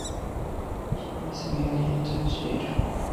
He is married to Jill